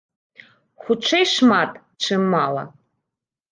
Хутчэй шмат, чым мала.